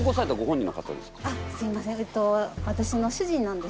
すいません。